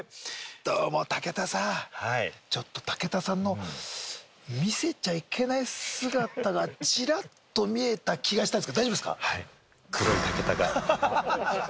どうも武田さん、武田さんの見せちゃいけない姿がチラッと見えた気がしたんですけれども、大丈夫ですか？